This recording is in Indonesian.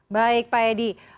baik pak edi